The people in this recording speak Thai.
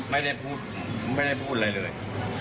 ไม่ได้พูดไม่ได้พูดอะไรเลย